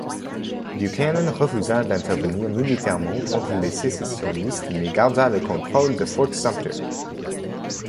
Buchanan refusa d'intervenir militairement contre les sécessionnistes mais garda le contrôle de Fort Sumter.